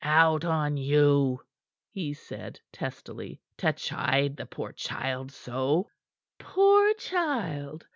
"Out on you!" he said testily, "to chide the poor child so!" "Poor child!"